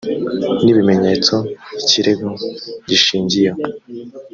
n ibimenyetso ikirego gishingiyeho